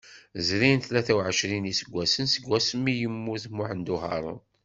Zrin tlata uɛecrin n yiseggasen segmi yemmut Muḥemmed Uharun.